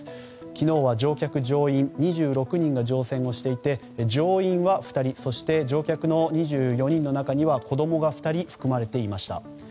昨日は乗客・乗員２６人が乗船していて乗員は２人そして乗客の２４人の中には子供が２人、含まれていました。